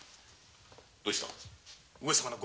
どうした？